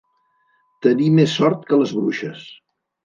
Tenir més sort que les bruixes.